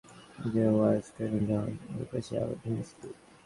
Sadarghat launch টার্মিনালের সামনে থেকে ওয়াইজ ঘাটে যাওয়ার রাস্তার দুপাশে আবর্জনার স্তূপ।